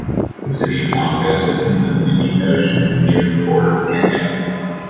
The city of Tanga sits on the Indian Ocean, near the border with Kenya.